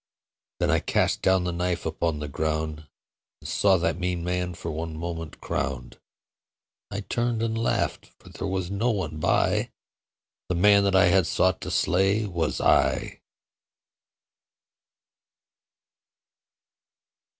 Then I cast down the knife upon the ground And saw that mean man for one moment crowned. I turned and laughed: for there was no one by The man that I had sought to slay was I.